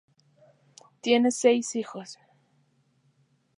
Tiene seis hijos.